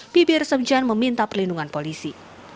bibi rasemjan meminta perlindungan polisi